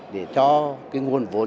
để cho cái nguồn vốn